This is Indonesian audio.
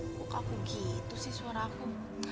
kok aku gitu sih suaraku